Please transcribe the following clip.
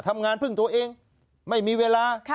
ทำงานพึ่งตัวเองไม่มีเวลา